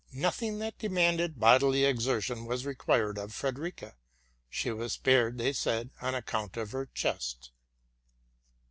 Nothing that demanded bodily exer tion was required of Frederica ; but she was spared, they said, on account of her chest.